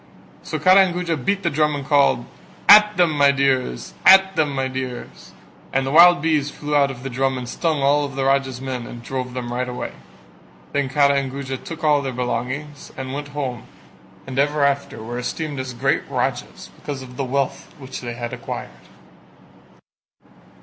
So Kara and Guja beat the drum and called "At them, my dears: at them my dears." And the wild bees flew out of the drum and stung the Raja's men and drove them right away. Then Kara and Guja took all their belongings and went home and ever after were esteemed as great Rajas because of the wealth which they had acquired.